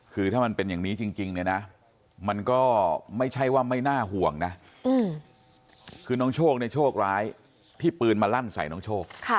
คือถ้ามันเป็นอย่างนี้จริงเนี่ยนะมันก็ไม่ใช่ว่าไม่น่าห่วงนะคือน้องโชคเนี่ยโชคร้ายที่ปืนมาลั่นใส่น้องโชค